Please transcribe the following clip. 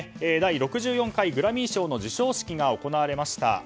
第６４回グラミー賞の授賞式が行われました。